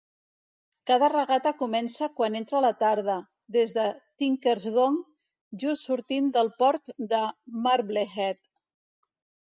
Cada regata comença quan entra la tarda, des de "Tinkers Gong", just sortint del port de Marblehead.